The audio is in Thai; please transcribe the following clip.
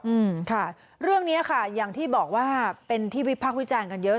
อืมค่ะเรื่องเนี้ยค่ะอย่างที่บอกว่าเป็นที่วิพากษ์วิจารณ์กันเยอะ